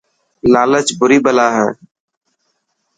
لالچ بري بلا هي.